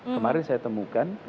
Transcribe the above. kemarin saya temukan